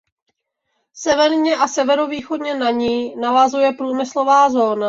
Severně a severovýchodně na ni navazuje průmyslová zóna.